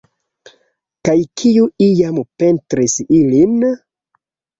Kaj kiu iam pentris ilin?